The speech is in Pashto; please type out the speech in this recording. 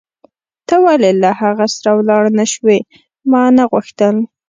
ته ولې له هغه سره ولاړ نه شوې؟ ما نه غوښتل.